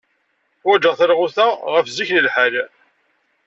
Ḥwajeɣ talɣut-a ɣef zik lḥal.